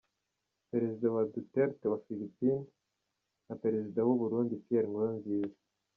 Perezida wa Duterte wa Philippines na Perezida w’ u Burundi Pierre Nkurunziza.